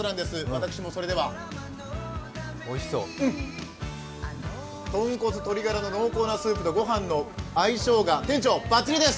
私もそれではうん、豚骨、鶏ガラの濃厚なスープと御飯の相性が、店長、バッチリです。